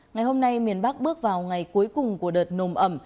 ngày hôm nay miền bắc bước vào ngày cuối cùng của đợt nồm ẩm